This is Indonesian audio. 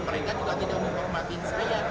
mereka juga tidak menghormatin saya